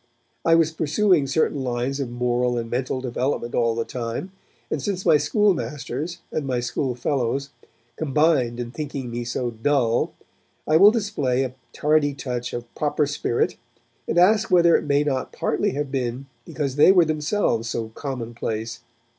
I was pursuing certain lines of moral and mental development all the time, and since my schoolmasters and my schoolfellows combined in thinking me so dull, I will display a tardy touch of 'proper spirit' and ask whether it may not partly have been because they were themselves so commonplace.